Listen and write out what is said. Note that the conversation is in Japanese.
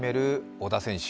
小田選手。